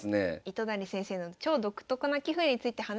糸谷先生の超独特な棋風について話してきました。